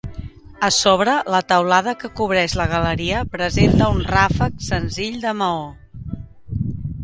A sobre, la teulada que cobreix la galeria presenta un ràfec senzill de maó.